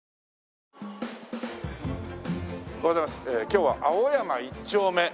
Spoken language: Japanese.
今日は青山一丁目